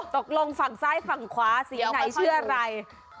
ตกลงฝั่งซ้ายฝั่งขวาสีไหนเชื่ออะไร